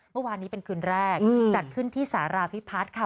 เมื่อวานนี้เป็นคืนแรกจัดขึ้นที่สาราพิพัฒน์ค่ะ